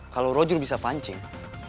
kalau roger bisa pancing